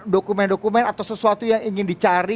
dokumen dokumen atau sesuatu yang ingin dicari